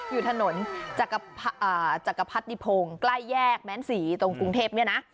อยู่ถนนจักรพรรดิพงศ์ใกล้แยกแม้นศรีตรงกรุงเทพเนี่ยนะ